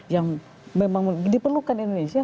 yang memang diperlukan indonesia